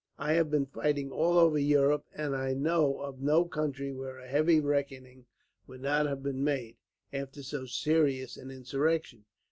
I have been fighting all over Europe, and I know of no country where a heavy reckoning would not have been made, after so serious an insurrection.